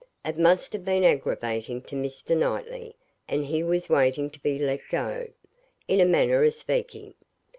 It must have been aggravating to Mr. Knightley, and he was waiting to be let go, in a manner of speaking.